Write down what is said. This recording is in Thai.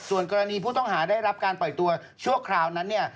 ส่วนกรณีผู้ต้องหาได้รับการปล่อยตัวชั่วคราวนั้นเนี่ย